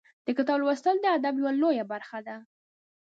د کتاب لوستل د ادب یوه لویه برخه ده.